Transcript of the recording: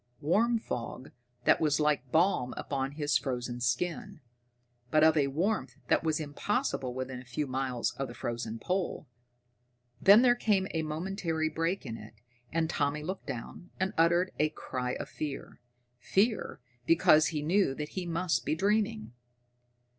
Warm fog that was like balm upon his frozen skin, but of a warmth that was impossible within a few miles of the frozen pole. Then there came a momentary break in it, and Tommy looked down and uttered a cry of fear. Fear, because he knew that he must be dreaming.